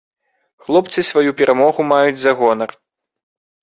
Хлопцы сваю перамогу маюць за гонар.